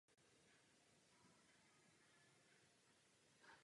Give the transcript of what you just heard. Nicméně jisté řešení umožňují dynamické konstrukce přítomné v mnoha formátech.